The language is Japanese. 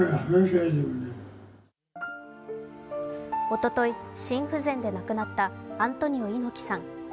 おととい、心不全で亡くなったアントニオ猪木さん